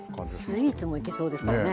スイーツもいけそうですからね。